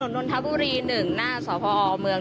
หนนทบุรี๑หน้าศาลพออ๋อเมือง